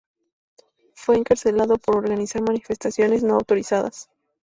Fue encarcelado por organizar manifestaciones no autorizadas.